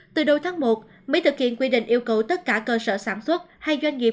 từ đầu tháng một mới thực hiện quy định yêu cầu tất cả cơ sở sản xuất hay doanh nghiệp